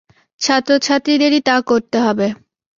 ছাত্রছাত্রীদেরই তা করতে হবে।